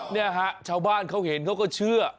เนี่ยฮะชาวบ้านเขาเห็นเขาก็เชื่อ